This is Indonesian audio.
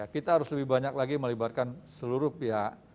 kita harus lebih banyak lagi melibatkan seluruh pihak